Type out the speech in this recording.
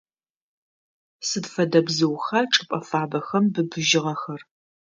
Сыд фэдэ бзыуха чӏыпӏэ фабэхэм быбыжьыгъэхэр?